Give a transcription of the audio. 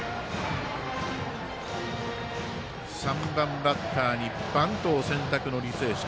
３番バッターにバントを選択の履正社。